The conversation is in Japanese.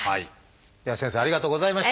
では先生ありがとうございました。